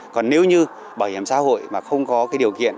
còn nếu như bảo hiểm xã hội mà không có cái điều kiện